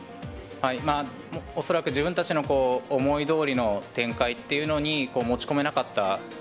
恐らく自分たちの思いどおりの展開っていうのに持ち込めなかった、